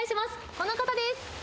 この方です。